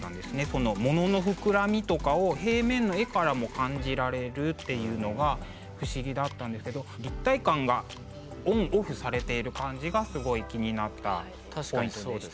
その物の膨らみとかを平面の絵からも感じられるっていうのが不思議だったんですけど立体感がオンオフされている感じがすごい気になったポイントでした。